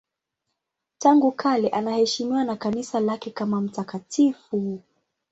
Tangu kale anaheshimiwa na Kanisa lake kama mtakatifu.